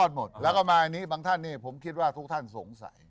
หมดแล้วก็มาอันนี้บางท่านผมคิดว่าทุกท่านสงสัย